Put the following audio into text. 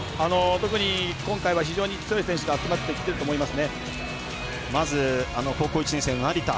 特に今回は非常に強い選手が集まってきてると高校１年生の成田。